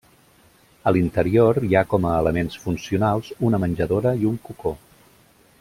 A l'interior hi ha com a elements funcionals una menjadora i un cocó.